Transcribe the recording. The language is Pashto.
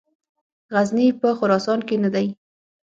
غزني په خراسان کې نه دی.